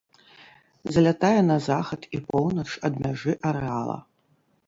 Залятае на захад і поўнач ад мяжы арэала.